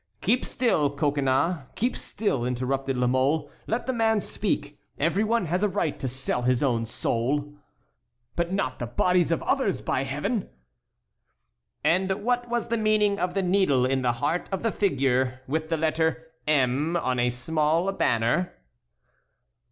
"Keep still, Coconnas, keep still," interrupted La Mole, "let the man speak; every one has a right to sell his own soul." "But not the bodies of others, by Heaven!" "And what was the meaning of the needle in the heart of the figure, with the letter 'M' on a small banner?"